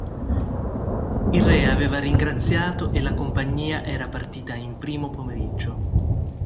Il re aveva ringraziato e la compagnia era partita in primo pomeriggio.